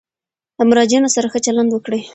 له مراجعینو سره ښه چلند وکړئ.